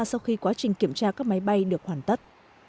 sau khi quá trình kiểm tra các máy bay được hoàn tất